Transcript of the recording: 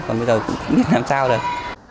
còn bây giờ cũng không biết làm sao rồi